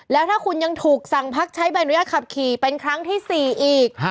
แล้วถ้าคุณยังถูกสั่งพักใช้ใบอนุญาตขับขี่เป็นครั้งที่๔อีก